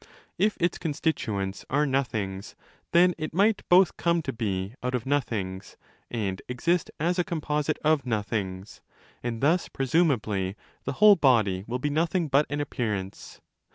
If its constituents are nothings, then it might both come to be out of nothings and exist as a composite of nothings: and thus presumably the whole body will be nothing but an appearance.